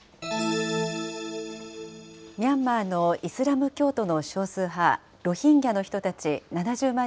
ミャンマーのイスラム教徒の少数派、ロヒンギャの人たち７０万